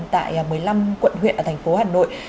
tại một mươi năm quận huyện ở thành phố hà nội